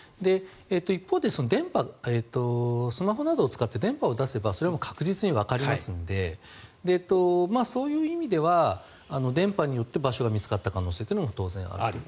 一方でスマホなどを使って電波を出せばそれは確実にわかりますのでそういう意味では電波によって場所が見つかった可能性も当然ある。